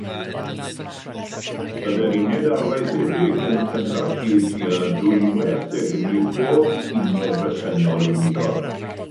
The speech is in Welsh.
Byddai'r uned arfaethedig yn cynhyrchu tua dwywaith egni pob uned bresennol unigol.